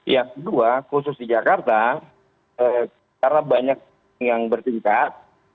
yang kedua khusus di jakarta karena banyak yang bertingkat